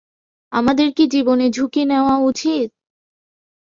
আমাদের কি জীবনের ঝুঁকি নেওয়া উচিত?